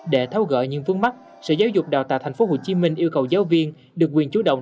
để tháo gỡ những vướng mắt sở giáo dục đào tạo tp hcm yêu cầu giáo viên được quyền chú động